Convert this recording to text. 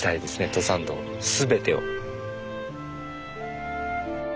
登山道全てを。